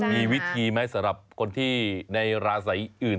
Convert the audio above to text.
มีวิธีไหมสำหรับคนที่ในราศีอื่น